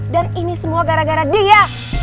dan ini semua gara gara dia